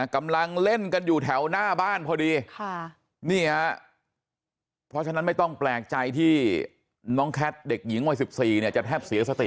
กำลังเล่นกันอยู่แถวหน้าบ้านพอดีนี่ฮะเพราะฉะนั้นไม่ต้องแปลกใจที่น้องแคทเด็กหญิงวัย๑๔เนี่ยจะแทบเสียสติ